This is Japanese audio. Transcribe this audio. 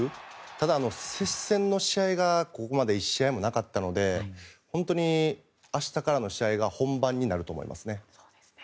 ただ、接戦の試合がここまで１試合もなかったので本当に明日からの試合が本番になると思いますね。